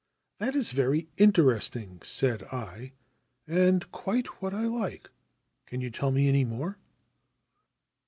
' That is very interesting/ said I, ' and quite what I like. Can you tell me any more